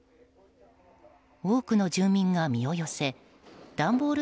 多くの住民が身を寄せ段ボール